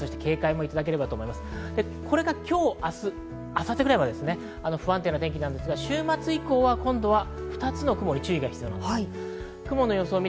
これが今日、明日、明後日ぐらいまで不安定な天気なんですが、週末以降は２つの雲に注意が必要です。